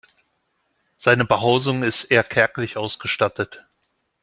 Seine Behausung ist eher kärglich ausgestattet.